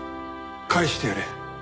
帰してやれ。